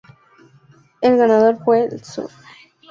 El ganador fue el Sr.